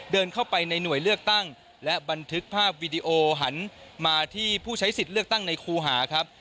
เดินเข้าไปในหน่วยเลือกตั้งและบันทึกภาพวีดีโอหันมาที่ผู้ใช้สิทธิ์เลือกตั้งในครูหาครับ